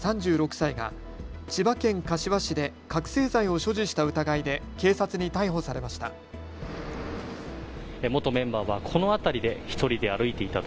３６歳が千葉県柏市で覚醒剤を所持した疑いで警察に逮捕されました。